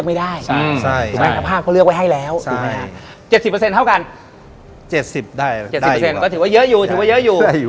เยอะอยู่ถือว่าเยอะอยู่